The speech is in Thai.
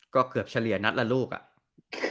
ก็เกือบเฉลี่ยนัดละลูกอ่ะ